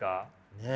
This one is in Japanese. ねえ。